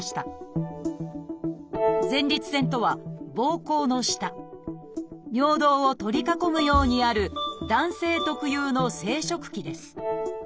「前立腺」とはぼうこうの下尿道を取り囲むようにある男性特有の生殖器です